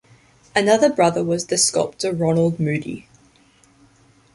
Another brother was the sculptor Ronald Moody.